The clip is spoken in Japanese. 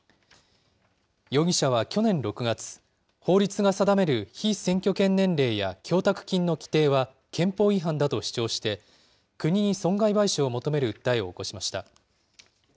容疑者は去年６月、法律が定める被選挙権年齢や供託金の規定は憲法違反だと主張して、国に損害賠償を求める訴えを起こしました。